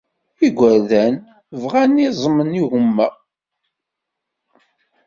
Igerdan bɣan iẓem n yigumma